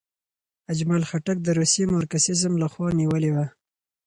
اجمل خټک د روسي مارکسیزم خوا نیولې وه.